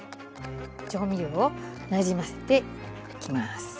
調味料をなじませていきます。